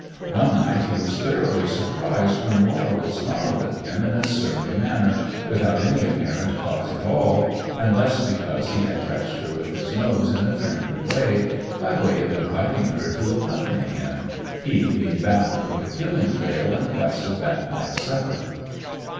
One night he was thoroughly surprised when Warrigal snarled at him in a surly manner, without any apparent cause at all, unless because he had touched her with his nose in a friendly way, by way of inviting her to accompany him, he being bound for the killing trail in quest of that night's supper.